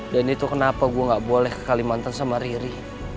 dan itu kenapa gua gak boleh ke kalimantan sama riri